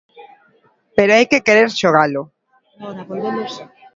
Pero hai que querer xogalo.